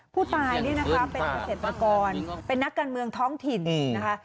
ผู้ตายเนี่ยนะคะเป็นเกษตรกรเป็นนักการเมืองท้องถิ่นนะคะ